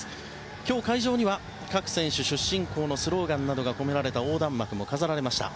今日、会場には各選手出身校のスローガンなどが込められた横断幕も飾られました。